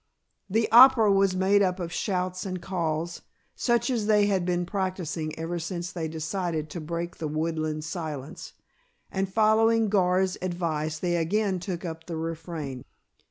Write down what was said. "The opera" was made up of the shouts and calls, such as they had been practising ever since they decided to break the woodland silence, and following Gar's advice they again took up the refrain.